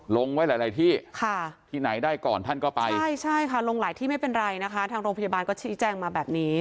ลงไว้หลายที่ที่ไหนได้ก่อนท่านก็ไปใช่ใช่ค่ะลงหลายที่ไม่เป็นไรนะคะทางโรงพยาบาลก็ชี้แจ้งมาแบบนี้